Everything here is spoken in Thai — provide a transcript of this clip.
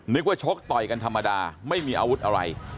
นึกว่าชกต่อยกันธรรมดาไม่มีอาวุธอะไร